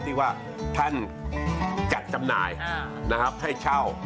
ที่ว่าท่านจัดจำหน่ายนะครับให้เช่า